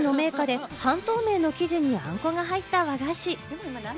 岐阜県の銘菓で半透明の生地にあんこが入った和菓子。